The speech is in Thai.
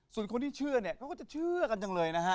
ส่วนคนที่เชื่อเนี่ยเขาก็จะเชื่อกันจังเลยนะฮะ